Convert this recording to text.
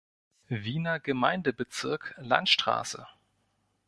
Wiener Gemeindebezirk Landstraße.